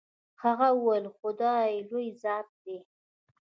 هغه وويل خداى لوى ذات دې.